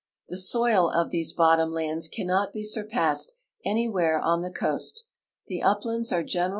The soil of these bottom lands cannot be surpassed an^Mvliere on the coast. The uplands are general!